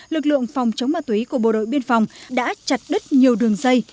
lực lượng phòng chống ma túy của bộ đội biên phòng đã chặt đứt nhiều đường dây